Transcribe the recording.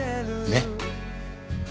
ねっ。